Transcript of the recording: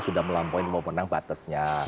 sudah melampaui memenang batasnya